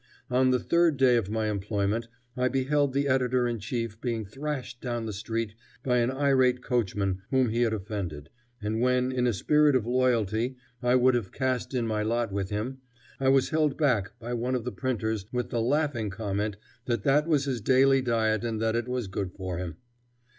On the third day of my employment I beheld the editor in chief being thrashed down the street by an irate coachman whom he had offended, and when, in a spirit of loyalty, I would have cast in my lot with him, I was held back by one of the printers with the laughing comment that that was his daily diet and that it was good for him.